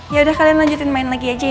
yaudah kalian lanjutin main lagi aja